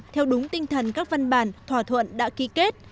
theo đúng tinh thần các văn bản thỏa thuận đã ký kết